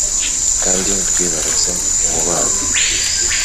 kandi rwibarutse umubano